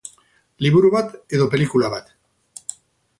Liburu bat edo pelikula bat?